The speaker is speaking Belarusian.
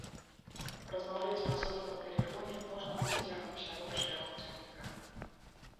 Размаўляць па сотавым тэлефоне можна будзе цягам усяго шляху цягніка.